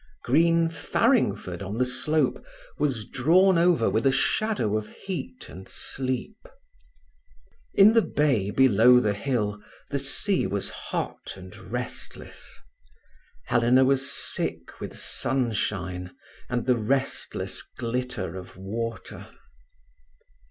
Green Farringford on the slope, was drawn over with a shadow of heat and sleep. In the bay below the hill the sea was hot and restless. Helena was sick with sunshine and the restless glitter of water.